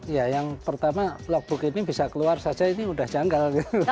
ya yang pertama blogbook ini bisa keluar saja ini sudah janggal